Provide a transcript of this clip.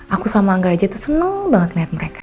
aku sama angga aja tuh seneng banget ngeliat mereka